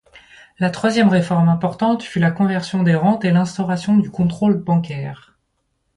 La troisième réforme importante fut la conversion des rentes et l'instauration du contrôle bancaire.